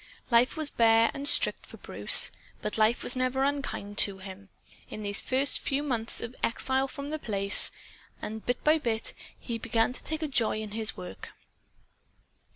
Life was bare and strict for Bruce. But life was never unkind to him, in these first months of exile from The Place. And, bit by bit, he began to take a joy in his work.